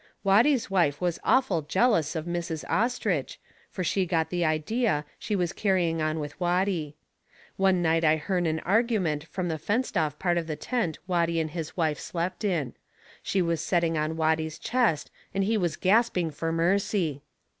Watty's wife was awful jealous of Mrs. Ostrich, fur she got the idea she was carrying on with Watty. One night I hearn an argument from the fenced off part of the tent Watty and his wife slept in. She was setting on Watty's chest and he was gasping fur mercy.